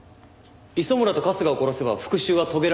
磯村と春日を殺せば復讐は遂げられたはずですよ。